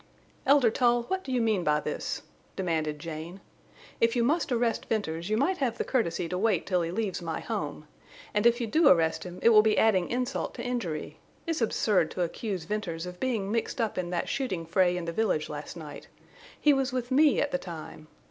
"Elder Tull, what do you mean by this?" demanded Jane. "If you must arrest Venters you might have the courtesy to wait till he leaves my home. And if you do arrest him it will be adding insult to injury. It's absurd to accuse Venters of being mixed up in that shooting fray in the village last night. He was with me at the time.